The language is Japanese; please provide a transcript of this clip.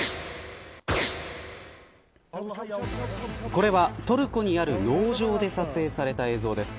これは、トルコにある農場で撮影された映像です。